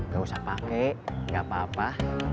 gak usah pake gak apa apa